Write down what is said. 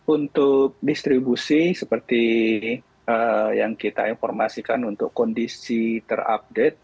untuk distribusi seperti yang kita informasikan untuk kondisi terupdate